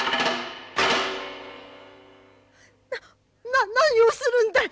な何をするんだい！